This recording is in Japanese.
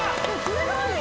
すごい！